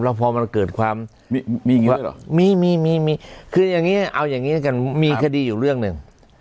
แล้วพอมันเกิดความมีอย่างงี้ด้วยหรอมีคือเอาอย่างงี้กันมีคดีอยู่เรื่องหนึ่ง